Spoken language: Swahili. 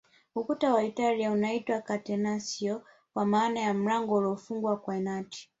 Ukuta wa Italia unaitwa Catenacio kwa maana ya mlango uliofungwa kwa nati